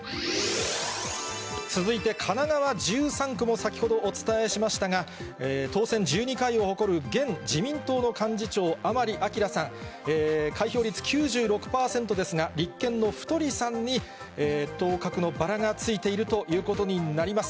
続いて神奈川１３区も先ほどお伝えしましたが、当選１２回を誇る現自民党の幹事長、甘利明さん、開票率９６％ですが、立憲の太さんに当確のバラがついているということになります。